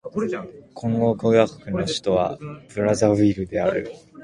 コンゴ共和国の首都はブラザヴィルである